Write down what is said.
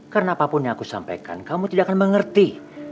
karena apapun yang aku sampaikan kamu tidak akan mengerti